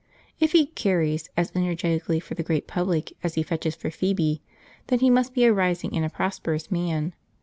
If he "carries" as energetically for the great public as he fetches for Phoebe, then he must be a rising and a prosperous man.